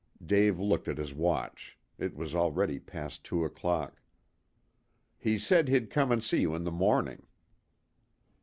Dave looked at his watch. It was already past two o'clock. "He said he'd come and see you in the morning."